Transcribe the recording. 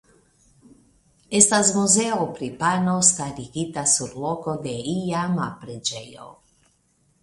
Estas Muzeo pri Pano starigita sur loko de iama preĝejo.